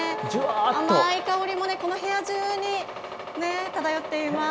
甘い香りもこの部屋中に漂っています。